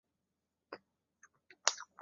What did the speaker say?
会员来自各个年龄和各行各业。